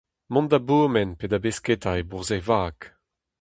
Mont da bourmen pe da besketa e bourzh e vag.